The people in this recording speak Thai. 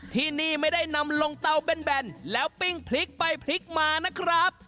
ที่นี่ไม่ได้นำลงเตาแบนแล้วปิ้งพลิกไปพลิกมานะครับ